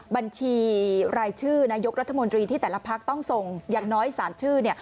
บัญชีรายชื่อนายกรัฐมนตรีที่แต่ละพักต้องส่งอย่างน้อย๓ชื่อเนี่ย